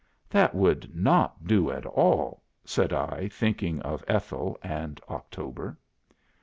'" "'That would not do at all,' said I, thinking of Ethel and October."